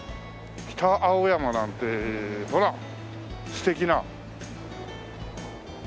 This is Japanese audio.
北青山なんてほら素敵な。